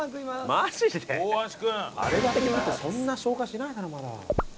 あれだけ食ってそんな消化しないだろまだ。